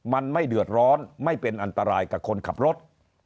มันไม่เดือดร้อนไม่เป็นอันตรายกับคนขับรถ